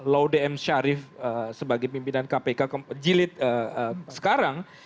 laudem shariff sebagai pimpinan kpk jilid sekarang